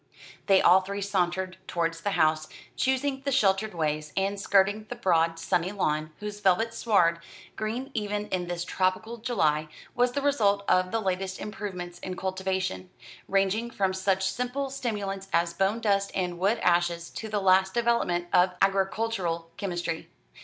They all three sauntered towards the house, choosing the sheltered ways, and skirting the broad sunny lawn, whose velvet sward, green even in this tropical July, was the result of the latest improvements in cultivation, ranging from such simple stimulants as bone dust and wood ashes to the last development of agricultural chemistry.